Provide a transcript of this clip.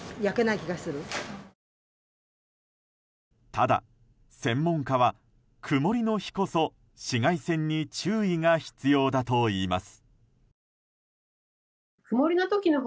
ただ、専門家は曇りの日こそ紫外線に注意が必要だといいます。